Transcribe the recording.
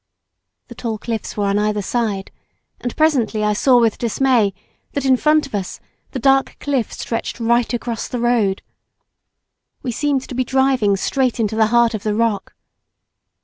The tall cliffs were on either side, and presently I saw with dismay that in front of us the dark cliff stretched right across the road. We seemed to be driving straight into the heart of the rock.